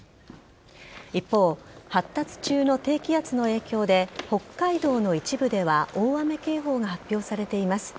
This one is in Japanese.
一方、発達中の低気圧の影響で北海道の一部では大雨警報が発表されています。